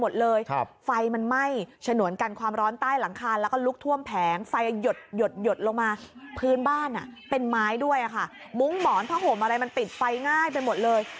หมดเลยมุ้งหมอนผ้าห่มอะไรมันติดไฟง่ายไปหมดเลย